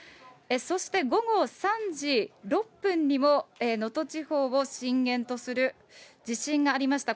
そして午後３時６分にも、能登地方を震源とする地震がありました。